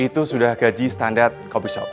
itu sudah gaji standar coffee shopee